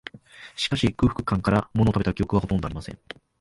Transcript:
しかし、空腹感から、ものを食べた記憶は、ほとんどありません